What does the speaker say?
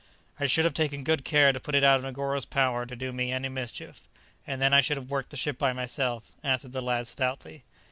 "I should have taken good care to put it out of Negoro's power to do me any mischief, and then I should have worked the ship by myself," answered the lad stoutly.